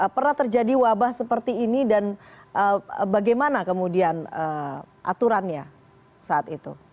pernah terjadi wabah seperti ini dan bagaimana kemudian aturannya saat itu